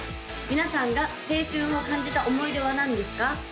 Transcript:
皆さんが青春を感じた思い出は何ですか？